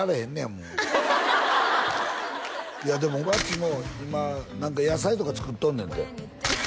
もういやでも和智も今何か野菜とか作っとんねんていや